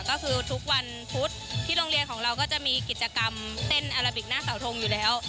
ก็คือทุกวันพุธที่โรงเรียนของเราก็จะมีกิจกรรมเต้นอาราบิกหน้าเสาทงอยู่แล้ว